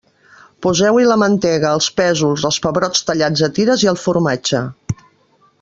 Poseu-hi la mantega, els pèsols, els pebrots tallats a tires i el formatge.